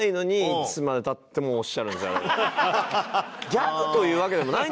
ギャグというわけでもないんですよ